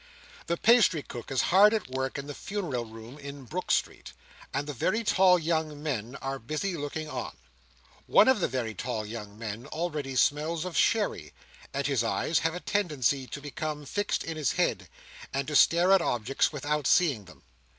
The pastry cook is hard at work in the funereal room in Brook Street, and the very tall young men are busy looking on. One of the very tall young men already smells of sherry, and his eyes have a tendency to become fixed in his head, and to stare at objects without seeing them.